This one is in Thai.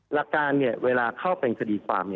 หลักการเวลาเข้าเป็นคดีความ